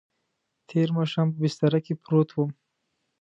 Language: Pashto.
تېر ماښام په بستره کې پروت وم.